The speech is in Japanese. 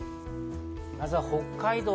まずは北海道。